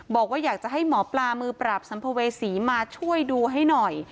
บอกว่าอยากจะให้หมอปลามือปราบสัมภเวษีมาช่วยดูให้หน่อย